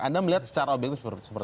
anda melihat secara objektif seperti apa